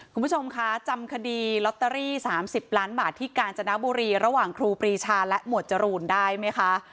คุณผู้ชมคะจำคดีลอตเตอรี่๓๐ล้านบาทที่กาญจนบุรีระหว่างครูปรีชาและหมวดจรูนได้ไหมคะ